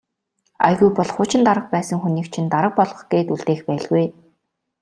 Аягүй бол хуучин дарга байсан хүнийг чинь дарга болгох гээд үлдээх байлгүй.